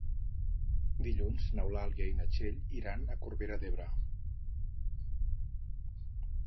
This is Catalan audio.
Dilluns n'Eulàlia i na Txell iran a Corbera d'Ebre.